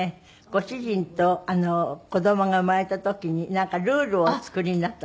ご主人と子どもが生まれた時になんかルールをお作りになったんですって？